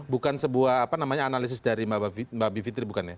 bukan sebuah analisis dari mbak b fitri bukan ya